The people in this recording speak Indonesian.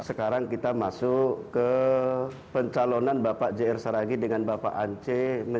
sekarang kita masuk ke pencalonan bapak jr saragi dengan bapak ance